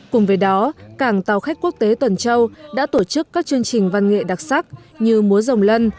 cùng với đó cảng tàu khách quốc tế tuần châu đã tổ chức các chương trình văn nghệ đặc sắc như múa rồng lân